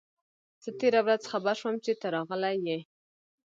زه تېره ورځ خبر شوم چي ته راغلی یې.